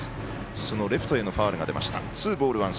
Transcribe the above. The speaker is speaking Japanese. そのレフトへのファウルが出ました。